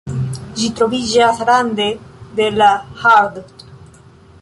Ĝi troviĝas rande de la Haardt.